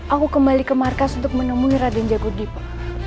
aku kembali ke markas untuk menemui raden jagodipa